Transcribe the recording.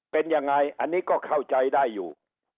เป็นยังไงอันนี้ก็เข้าใจได้อยู่